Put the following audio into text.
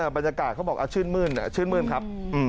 บรรยากาศเขาบอกชื่นมื้นชื่นมื้นครับ